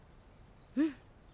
うん。